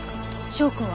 証拠は？